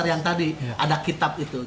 jadi yang tadi ada kitab itu